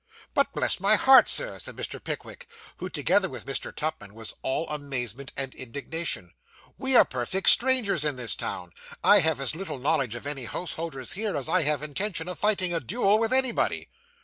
'But bless my heart, Sir,' said Mr. Pickwick, who, together with Mr. Tupman, was all amazement and indignation; 'we are perfect strangers in this town. I have as little knowledge of any householders here, as I have intention of fighting a duel with anybody.